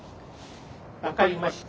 分かりました。